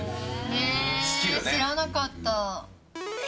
知らなかった。